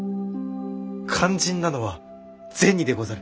肝心なのは銭でござる。